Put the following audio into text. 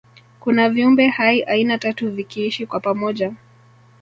kuna viumbe hai aina tatu vikiishi kwa pamoja